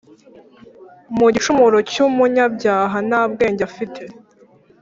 mu gicumuro cyumunyabyaha nta bwenge afite